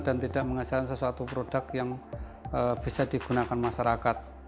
tidak menghasilkan sesuatu produk yang bisa digunakan masyarakat